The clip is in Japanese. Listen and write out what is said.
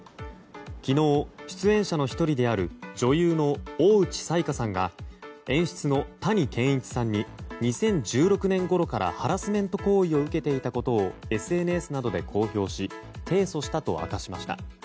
昨日、出演者の１人である女優の大内彩加さんが演出の谷賢一さんに２０１６年ごろからハラスメント行為を受けていたことをＳＮＳなどで公表し提訴したと明かしました。